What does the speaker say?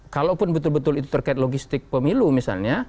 kalaupun betul betul itu terkait logistik pemilu misalnya